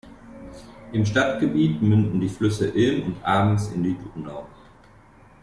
Im Stadtgebiet münden die Flüsse Ilm und Abens in die Donau.